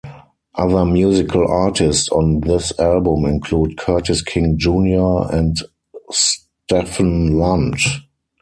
Other musical artists on this album include Curtis King Junior and Stephen Lunt.